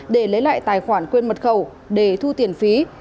để lấy lại tài khoản quyên mật khẩu để thu tiền phí